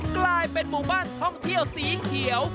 กลายเป็นหมู่บ้านท่องเที่ยวสีเขียว